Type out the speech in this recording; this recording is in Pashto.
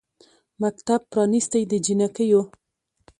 مکتب پرانیستی د جینکیو